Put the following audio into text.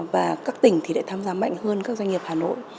và các tỉnh thì lại tham gia mạnh hơn các doanh nghiệp hà nội